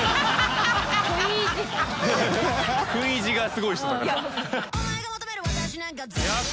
食い意地がすごい人だから。